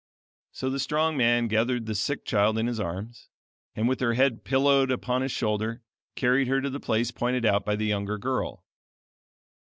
So the strong man gathered the sick child in his arms, and with her head pillowed upon his shoulder, carried her to the place pointed out by the younger girl.